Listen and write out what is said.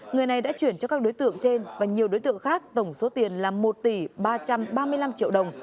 người này đã chuyển cho các đối tượng trên và nhiều đối tượng khác tổng số tiền là một tỷ ba trăm ba mươi năm triệu đồng